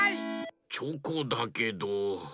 チョコだけど。